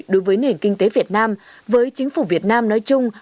đối với nền kinh tế việt nam với chính phủ việt nam nói chung